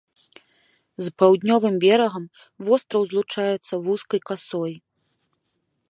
З паўднёвым берагам востраў злучаецца вузкай касой.